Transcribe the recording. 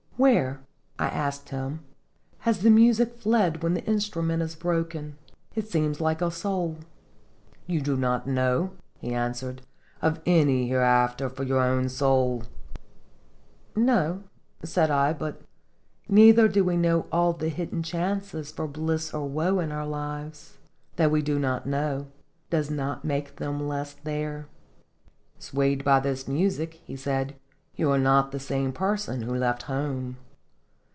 "Where," I asked him, "has the music fled when the instrument is broken? It seems like a soul." "You do not know," he answered, "of any hereafter for your own soul !" "No," said I; "but neither do we know all the hidden chances for bliss or woe in our lives; that we do not know, does not make them less there." "Swayed by this music," he said, "you are not the same person who left home.